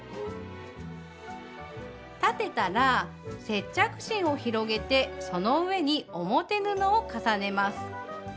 裁てたら接着芯を広げてその上に表布を重ねます。